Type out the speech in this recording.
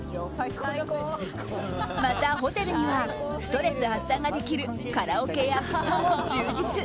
また、ホテルにはストレス発散ができるカラオケやスパも充実。